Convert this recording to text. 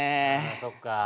そっか。